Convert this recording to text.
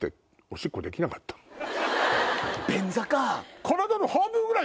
便座か！